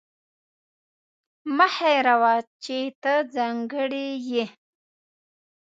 مه هېروه چې ته ځانګړې یې.